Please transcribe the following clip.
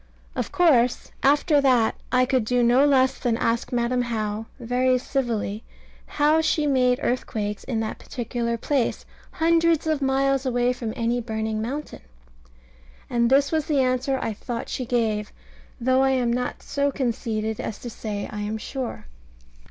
Of course after that I could do no less than ask Madam How, very civilly, how she made earthquakes in that particular place, hundreds of miles away from any burning mountain? And this was the answer I thought she gave, though I am not so conceited as to say I am sure.